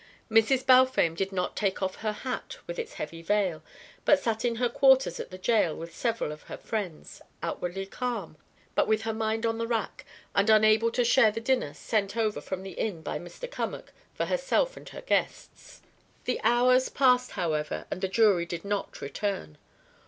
Mrs. Balfame did not take off her hat with its heavy veil, but sat in her quarters at the jail with several of her friends, outwardly calm, but with her mind on the rack and unable to share the dinner sent over from the Inn by Mr. Cummack for herself and her guests. The hours passed, however, and the jury did not return.